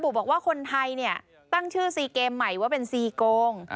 บอกว่าคนไทยเนี่ยตั้งชื่อซีเกมใหม่ว่าเป็นซีโกง